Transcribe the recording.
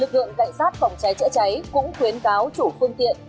lực lượng cảnh sát phòng cháy chữa cháy cũng khuyến cáo chủ phương tiện